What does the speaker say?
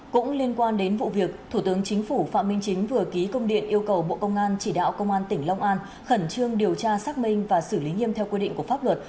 cũng liên quan đến vụ việc thủ tướng chính phủ phạm minh chính vừa ký công điện yêu cầu bộ công an chỉ đạo công an tỉnh long an khẩn trương điều tra xác minh và xử lý nghiêm theo quy định của pháp luật